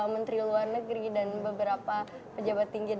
menteri luar negeri dan beberapa pejabat tinggi